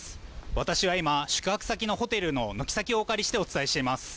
私は今宿泊先のホテルの軒先をお借りしてお伝えします。